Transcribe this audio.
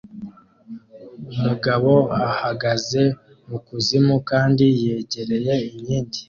Umugabo ahagaze mukuzimu kandi yegereye inkingi